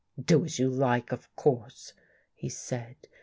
" Do as you like, of course," he said.